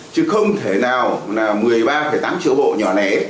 chứ không thể nào một mươi ba tám triệu bộ nhỏ nẻ